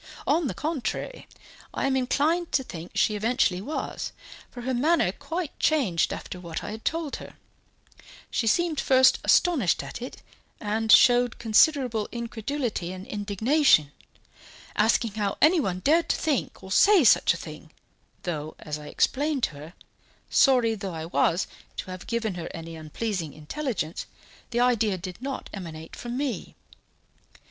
On the contrary, I am inclined to think she eventually was, for her manner quite changed after what I had told her; she seemed first astonished at it, and showed considerable incredulity and indignation, asking how anyone dared to think or say such a thing, though, as I explained to her, sorry though I was to have given her any unpleasing intelligence, the idea did not emanate from me.